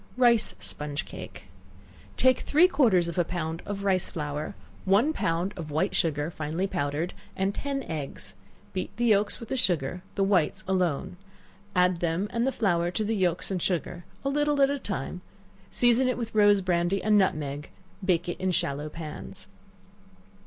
Rice Sponge Cake. Take three quarters of a pound of rice flour, one pound of white sugar, finely powdered, and ten eggs; beat the yelks with the sugar, the whites alone; add them and the flour to the yelks and sugar, a little at a time; season it with rose brandy and nutmeg, and bake it in shallow pans.